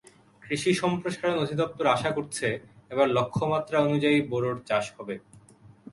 কৃষি সম্প্রসারণ অধিদপ্তর আশা করছে, এবার লক্ষ্যমাত্রা অনুযায়ী বোরোর চাষ হবে।